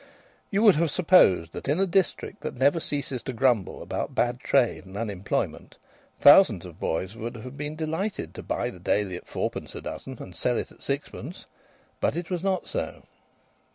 You would have supposed that in a district that never ceases to grumble about bad trade and unemployment, thousands of boys would have been delighted to buy the Daily at fourpence a dozen and sell it at sixpence. But it was not so.